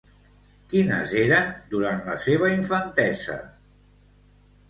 Quines eren durant la seva infantesa?